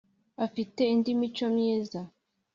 afite nindi mico myiza.